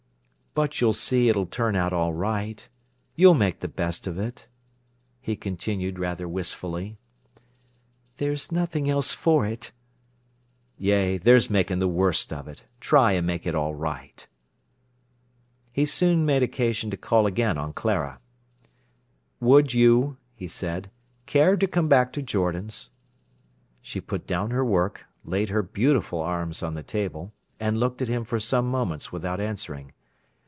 "But you'll see it'll turn out all right. You'll make the best of it," he continued rather wistfully. "There's nothing else for it." "Yea, there's making the worst of it. Try and make it all right." He soon made occasion to call again on Clara. "Would you," he said, "care to come back to Jordan's?" She put down her work, laid her beautiful arms on the table, and looked at him for some moments without answering.